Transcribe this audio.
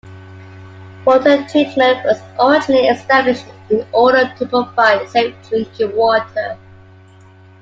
Water treatment was originally established in order to provide safe drinking water.